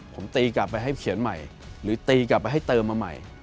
ผมตีกลับไปให้เขียนใหม่หรือตีกลับไปให้เติมมาใหม่